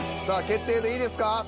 さあ決定でいいですか？